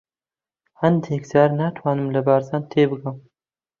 هەندێک جار ناتوانم لە بارزان تێبگەم.